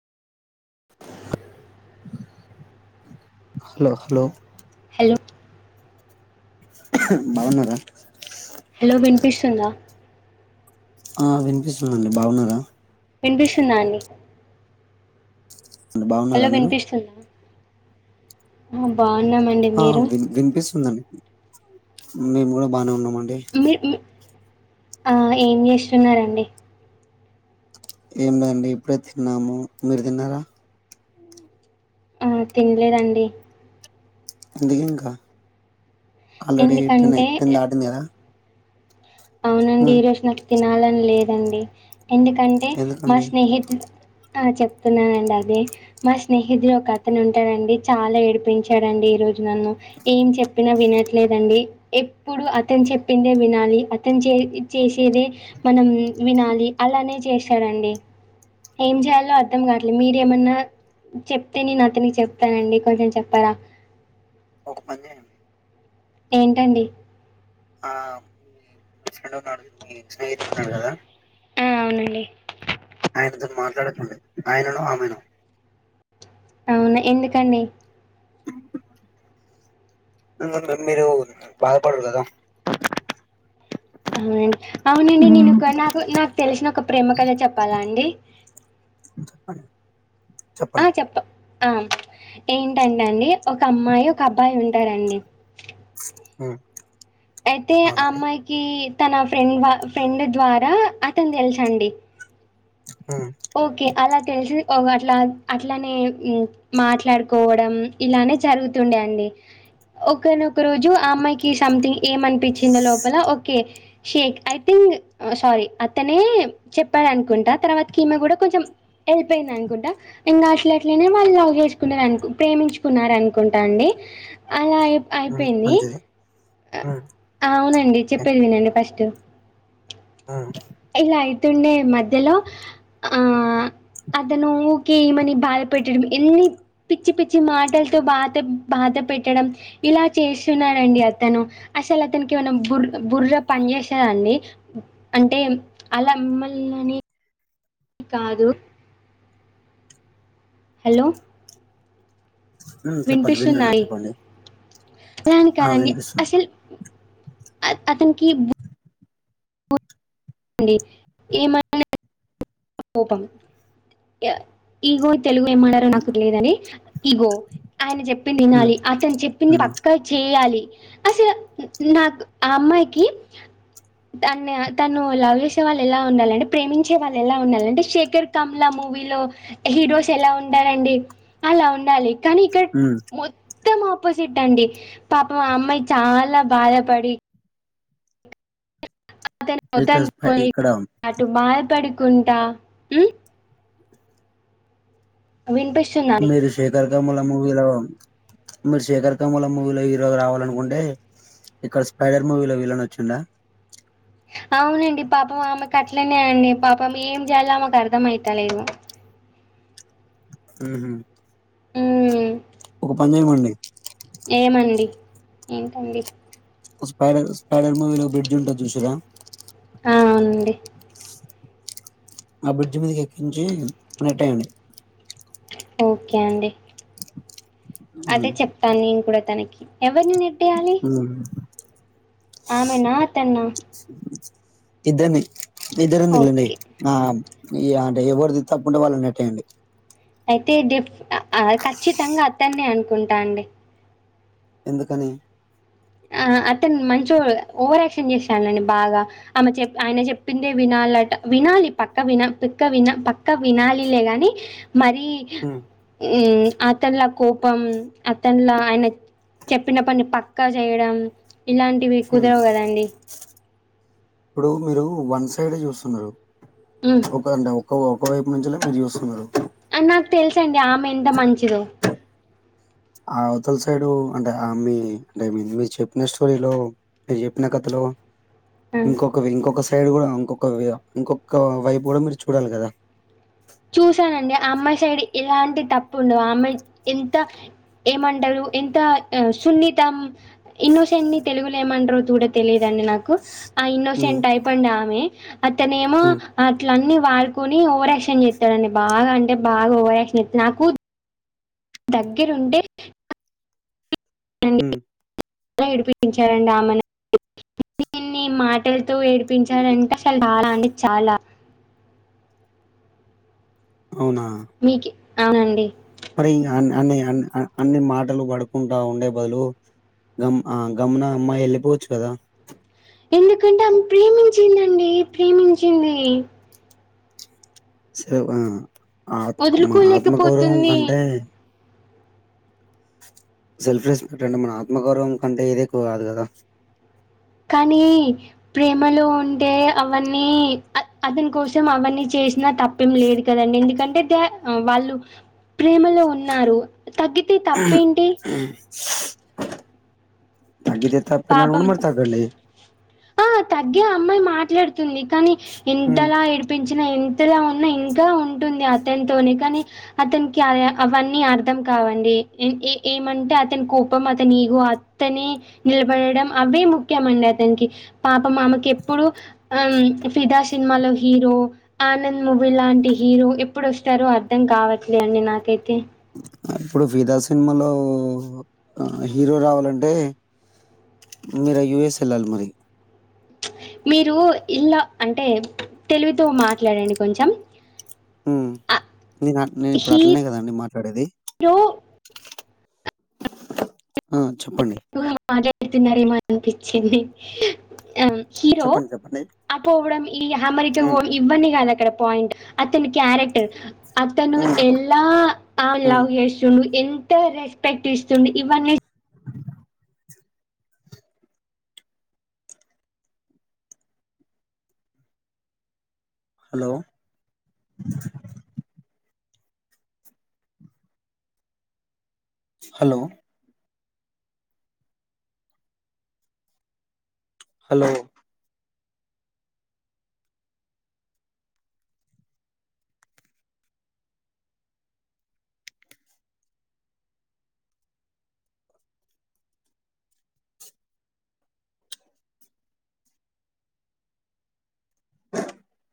Hello hello hello బాగున్నారా hello వినిపిస్తుందా ఆ వినిపిస్తుందిండి బాగున్నరా వినిపిస్తుందా అండి అంటే బాగున్నారా మీరు బా ఆ వి వినిపిస్తుందండి మేము కూడా బానే ఉన్నాం మ ఆ ఏం చేస్తున్నండి ఏం లేండి ఇప్పుడే తిన్నాము మీరు తిన్నారా ఆ తినలేదండి అందుకే ఇంకా ఆల్రెడీ టెన్ ఎందుకంటే టెన్ దాటింది కదా అవునండి ఉమ్ ఈ రోజు నాకు తినాలని లేదు అండి ఎందుకంటే మా ఎందుకండి స్నేహితులు ఆ చెప్తున్నానండి అది మా స్నేహితుడు ఒక అతను ఉంటాడుడి చాలా ఏడిపించాడండి ఈ రోజు నన్ను ఏం చెప్పినా వినట్లేదండి ఎప్పుడు అతను చెప్పిందే వినాలి. అర్థం చే చేసేదే మనం వినాలి అలానే చేస్తాడంండి ఏం చేయాలో అర్థం కావలేదు మీరు ఏమన్నా చెప్తే నేను అతనికి చెప్తానండి కొంచెం చెప్పరా. ఒక పని చేయండి ఏంటండి ఫ్ర మీ స్నేహితురు నదా ఆ అవునండి ఆయనతో మాట్లాడండి ఆయనను ఆమెను అవునా ఎందుకండి మీరు బాధపడరు కదా అవునండి అవునండి నేను ఒక నాకు నాకు తెలిసిన ఒక ప్రేమ కథ చెప్పాలా అండి ఆ చెప్పండి చెప్తా ఆ ఏంటంటె అండి ఒక అమ్మాయి ఒక అబ్బాయి ఉంటారండి ఆ అయితే ఆ అమ్మాయికి తనఫ్ ఫ్రెండ్ వాల్ ఫ్రెండ్ ద్వారా అతను తెల్చ్ అండి ఉమ్ ఓకే అలా తెలిసి ఓవ్ అట్లా అట్లనే మాట్లాడుకోవడం ఇలానే జరుగుతుండే అండి ఒకనొ ఒక రోజు ఆ అమ్మాయికి సంథింగ్ ఏమనిపించిందో లోపల okay Sheikh I think sorry అతనే చెప్పాడు అనుకుంటా తర్వాత కీమె కూడా కొంచెం హెల్ప్ అయింద్ అనుకుంటా ఇంకా ష్ అట్లట్లనే వాళ్ళు లవ్ చేసుకున్నార్ అనుకు ప్రేమించుకున్నారు అనుకుంటా అండి అలా అయిప్ ఉమ్ అయిపోయింది మంచిది ఉమ్ అవునండి ఓకే చెప్పేది వినండి ఫస్ట్ ఉమ్ ఇలా అయి తుండే మధ్యలో అ ఆహ్ అతను ఊకే ఈమని బాధ పెట్టడం ఎన్ని పిచ్చి పిచ్చి మాటలతో బాధ బాధ పెట్టడం ఇలా చేస్తున్నారండి అతను అసలు అతనికి ఏమనా బుర్ బుర్ర పనిచేస్తాదండి అంటే అలా మమ్మల్ని అని కాదు హలో ఉమ్ చెప్పండి వింటున్నా వినిపిస్తున్నాయి చెప్పండి అలాని ఆ కాదండి వినిపిస్తుంది అసలు అత అతన్నికి బు డి ఈ మధ్యనే కోపమ్ ఏ ఈగో తెలుగు ఏమడారో నాకు లేదని ఇగో ఆయన చెప్పింది ఉమ్ వినాలి అతను చెప్పింది ఉమ్ పక్కా చేయాలి అసలు నాకు ఆ అమ్మాయికి తన్ తను లవ్ చేసే వాళ్ళు ఎలా ఉండాలంటే ప్రేమించే వాళ్ళు ఎలా ఉండాల అంటే శేఖర్ కమలా మూవీలో హీరోస్ ఎలా ఉంటారండి అలా ఉండాలి కానీ ఇక్కడ ఉమ్ మొ మొత్తం ఆపోజిట్ అండి పాపమ్ ఆ అమ్మాయి చాలా బాధపడి అతను వద్దు ఇక్కడ అను స్పై కోని ఇక్కడ అటు బాద్పడి కుంటా ఉహ్ వినిపిస్తుదండి కమల మూవీలో మరి శేఖర్ కమల మూవీలో హీరో రావాలనుకుంటే ఇక్కడ స్పైడర్ మూవీలో విలన్ వచ్చిండ అవునండి. పాపం ఆమెకు అట్లనే అండి. పాపం ఏం చేయాలో ఆమెకు అర్థం అయిత లేదు. ఉహు ఊ ఉ ఒక పనిజేమండి ఏమండి ఏంటండి స్పైడర్ స్పైడర్ మూవీలో బ్రిడ్జ్ ఉంటుంది. చూసిరా అండి ఆ బ్రిడ్జ్ మీదికి ఎక్కించి నెట్టేయండి ఓకే అండి. అదే చెప్తాను నేను కూడ తనకి ఎవరిని నెట్టేయాలి ఉమ్ ఆమె నా అతన్నా ఇద్దర్ న్ ఇద్దరెందుకులేండి ఓకే ఆమ్ ఇయ్య అంటే ఎవరిది తప్పుంటే వాళ్ళు నెట్టేయండి. అయితే డిప్ ఖచ్చితంగా అతన్ని అనుకుంటా అండి ఎందుకని ఆ అతను మంచి ఓవరాక్షన్ చేశానని, బాగా ఆమె చెప్ప ఆయన చెప్పిందే వినాలట. వినాలి పక్క విన పక్క విన పక్క వినాలిలే గాని మరీ హ్మ్. ఉమ్ అతనుల కోపం అతనులా ఆయనకి చెప్పిన పని పక్ క్క చేయడం ఇలాంటివి హ్మ్. కుదరవు కదండి. ఇప్పుడు మీరు వన్ సైడ్ చూస్తున్నరు హ్మ్. ఒక్కంట ఒక్కపో ఒకవైపు నుంచిలా మీరు వస్తున్నారు. నాకు తెలుసు అండి ఆమె ఎంత మంచిదో ఆ అవతల సైడు అంటే ఆ మీ అంటే మీరు చెప్పిన స్టోరీలో మీరు చెప్పిన కథలో హ్మ్. ఇంకొక ఇంకొక సైడ్ కూడా ఇంకొక వ ఇంకొక వైపు కూడా మీరు చూడాలి కదా. చూసానండి. ఆ అమ్మాయి సైడ్ ఎలాంటి తప్పు ఉండవు. ఆ అమ్మాయి ఎంత ఏమంటారు. ఎంత సున్నితం ఇన్నోసెన్ని తెలుగులో ఏమంటరు చూడ తెలియదు అండి నాకు. ఆ హ్మ్. ఇన్నోసెంట్ అయిపోండ ఆమె అతనేమో హ్మ్. అట్ అన్నీ వాడుకొని ఓవరాక్షన్ చేత్ అండి బాగా అంటే బాగా ఓవయాక్షన్ చేత్తన్ నాకు దగ్గరుండే హ్మ్ ఉ చ ఏడిపించాడండి ఆమెను ఇన్ని మాటలతో ఏడిపించాడంటే అసలు చాలా అంటే చాలా అవునా మీకి అవునండి మరి అన్ని అన్ని మాటలు పడుకుంటా ఉండే బదులు, గం గమ్మున ఆ అమ్మాయి వెళ్ళిపోవచ్చు కదా. ఎందుకంటే ఆమె ప్రేమించిందండి ప్రేమించింది సేవా ఆత్ ఆత్మగౌరవం వదులుకోలేకపోతుంది కంటె సెల్ఫ్ రెస్పెక్ట్ అంటే మన ఆత్మగౌరవం కంటే ఏదేక్కువ కాదు కదా కానీ ప్రేమలో ఉంటే అవన్నీ అతని కోసం అవన్నీ చేసినా తప్పేం లేదు కదండి ఎందుకంటే దె వాళ్ళు ప్రేమలో ఉన్నారు తగ్గితే తప్పేంటి తాగ్గితే తప్పినా కూడా పాపం మరి తగ్గండి ఆ తగ్గే అమ్మాయి మాట్లాడుతుంది కనీ హ్మ్. ఇంతలా ఏడిపించి చ్చిన ఎంతలా ఉన్నా ఇంకా ఉంటుంది అతనితోనే కానీ అతనికి అవన్నీ అర్థం కావండి ఏ ఏమంటే అతని కోపం అతని ఈగు అత్తనే నిలబడడం అవే ముఖ్యంమండి అతనికి పాపం ఆమెకు ఎప్పుడు ఆ ఫిదా సినిమాలో హీరో ఆనంద్ మూవీ లాంటి హీరో ఎప్పుడు వస్తారో అర్థం కావట్లే అండి నాకైతే ఇప్పుడు ఫిదా సినిమాలో హీరో రావాలంటే మీరు యుఎస్ వెళ్ళాలి మరి మీరు ఇల్లా అంటే తెలువితో మాట్లాడండి కొంచెం ఉమ్ ఆ నీదా నేన్ ఇప్పుడట్లనే హీరో కదండి మాట్లాడేది ఆ చెప్పండి. హుమ్ మాట్లాడె వెళ్తున్నారేమో అనిపిచ్చింది ఆ హీరో చెప్పండి చెప్పండి. ఆ పోవడం ఈ హమెరికా హో హ్మ్. ఇవన్నీ కాదక్కడ పాయింట్ అతని క్యారెక్టర్ అతను హ్మ్. ఎలా ఆమెను హ్మ్. లవ్ జేషుండు ఎంత రెస్పెక్ట్ ఇస్తుంది ఇవన్నీ హలో హలో హలో